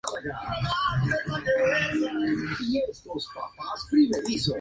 Unas dos terceras partes serían muertos, entre ellos tres oficiales.